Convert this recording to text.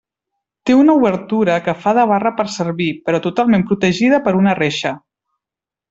Té una obertura que fa de barra per servir, però totalment protegida per una reixa.